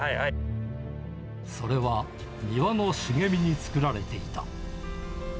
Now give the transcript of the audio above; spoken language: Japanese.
それは庭の茂みに作られていた。